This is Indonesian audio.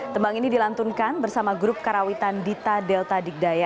tembang ini dilantunkan bersama grup karawitan dita delta digdaya